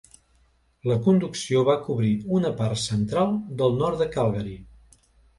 La conducció va cobrir una part central del nord de Calgary.